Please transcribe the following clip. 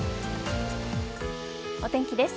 お天気です。